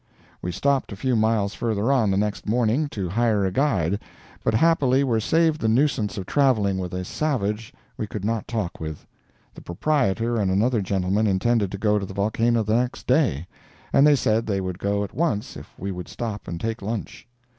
We stopped a few miles further on, the next morning, to hire a guide, but happily were saved the nuisance of traveling with a savage we could not talk with. The proprietor and another gentleman intended to go to the volcano the next day, and they said they would go at once if we would stop and take lunch.